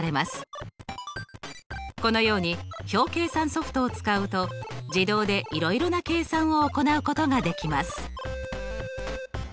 このように表計算ソフトを使うと自動でいろいろな計算を行うことができます。